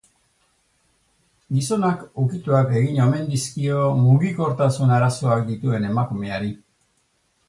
Gizonak ukituak egin omen dizkio mugikortasun arazoak dituen emakumeari.